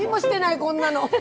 こんなの！